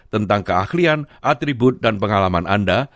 tentang keahlian atribut dan pengalaman anda